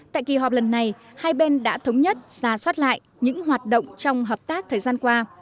tại kỳ họp lần này hai bên đã thống nhất ra soát lại những hoạt động trong hợp tác thời gian qua